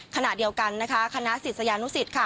ขณะเดียวกันนะคะคณะศิษยานุสิตค่ะ